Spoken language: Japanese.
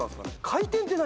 回転って何？